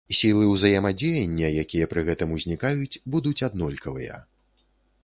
Сілы ўзаемадзеяння, якія пры гэтым узнікаюць, будуць аднолькавыя.